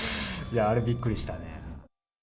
あれ、びっくりしたね。